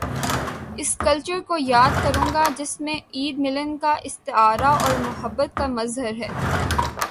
اس culture کو یاد کروں گا جس میں عید، ملن کا استعارہ اور محبت کا مظہر ہے۔